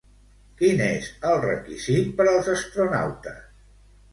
Quin és el requisit per als astronautes?